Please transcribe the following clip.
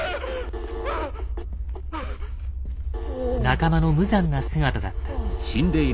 仲間の無残な姿だった。